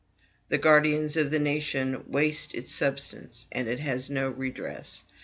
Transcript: The guardians of the nation waste its substance, and it has no redress!